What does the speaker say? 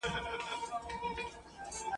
هم شهید وي هم غازي پر زمانه وي ..